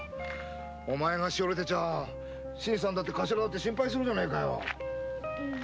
お前がしおれてちゃ新さんだって頭だって心配するじゃねえか。